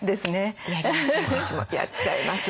私もやっちゃいます。